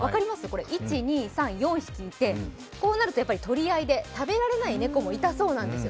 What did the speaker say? これ、１、２、３、４匹いて、こうなると取り合いで食べられない猫もいたそうなんです。